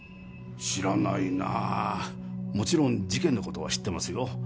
知らないなもちろん事件のことは知ってますよ